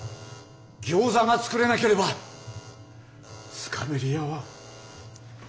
ギョーザが作れなければスカベリアは。